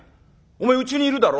お前うちにいるだろ？